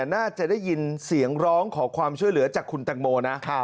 น่าจะได้ยินเสียงร้องขอความช่วยเหลือจากคุณแตงโมนะ